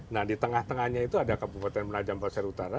nah di tengah tengahnya itu ada kabupaten penajam pasir utara